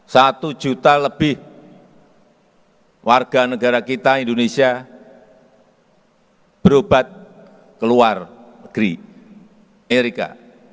satu juta lebih warga negara kita indonesia berobat ke luar negeri amerika